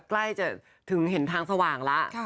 ใกล้จะถึงเห็นทางสว่างแล้ว